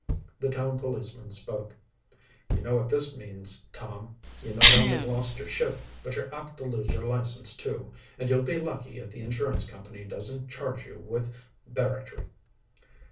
The town policeman spoke. "You know what this means, Tom? You not only lost your ship, but you're apt to lose your license, too. And you'll be lucky if the insurance company doesn't charge you with barratry."